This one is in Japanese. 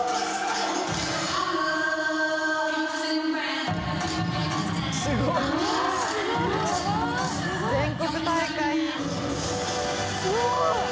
すごい！